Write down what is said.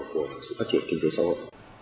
của sự phát triển kinh tế xã hội